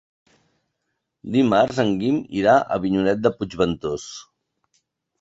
Dimarts en Guim irà a Avinyonet de Puigventós.